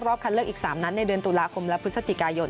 คันเลือกอีก๓นัดในเดือนตุลาคมและพฤศจิกายน